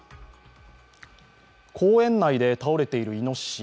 公園内で倒れているいのしし。